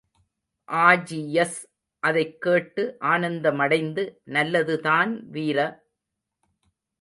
Augeas அதைக் கேட்டு ஆனந்தமடைந்து, நல்லதுதான், வீர!